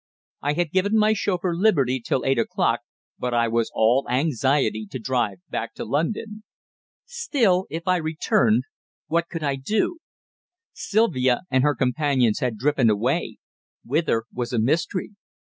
I had given my chauffeur liberty till eight o'clock, but I was all anxiety to drive back to London. Still, if I returned, what could I do? Sylvia and her companions had driven away whither was a mystery.